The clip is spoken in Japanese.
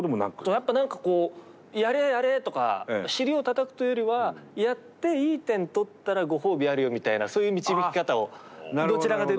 やっぱ何かこう「やれやれ」とか尻をたたくというよりはやっていい点取ったらご褒美あるよみたいなそういう導き方をどちらかというとしてくれた印象があります。